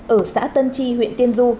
ở xã tân tri huyện hà tĩnh